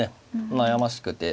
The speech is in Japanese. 悩ましくて。